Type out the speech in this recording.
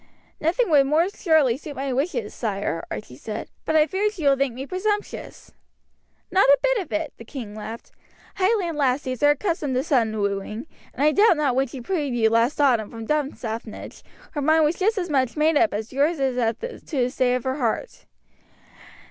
"Nothing would more surely suit my wishes, sire," Archie said; "but I fear she will think me presumptuous." "Not a bit of it," the king laughed. "Highland lassies are accustomed to sudden wooing, and I doubt not that when she freed you last autumn from Dunstaffnage her mind was just as much made up as yours is as to the state of her heart.